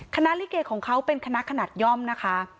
ลิเกของเขาเป็นคณะขนาดย่อมนะคะ